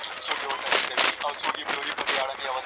ولي زیارکښ کس د تکړه سړي په پرتله لوړ مقام نیسي؟